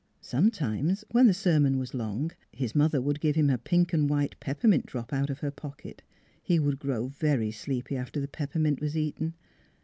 Sometimes, when the sermon was long, his mother would give him a pink and white peppermint drop out of her pocket. He would grow very sleepy after the peppermint was eaten.